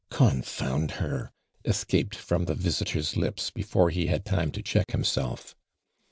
" Confound her I" escaped from the visi tor's lips before he had time to check him self.